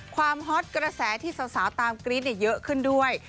ฮอตกระแสที่สาวตามกรี๊ดเยอะขึ้นด้วย